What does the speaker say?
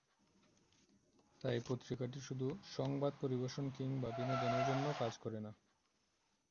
তাই পত্রিকাটি শুধু সংবাদ পরিবেশন কিংবা বিনোদনের জন্য কাজ করে না।